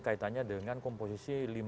kaitannya dengan komposisi lima lima